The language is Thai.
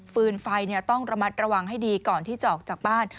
ืนไฟต้องระมัดระวังให้ดีก่อนที่จะออกจากบ้าน